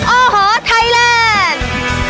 โอ้โหไทยแลนด์